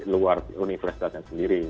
luar universitasnya sendiri